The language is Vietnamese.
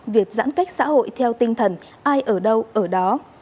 việc giãn cách xã hội theo tinh thần ai ở đâu ở đó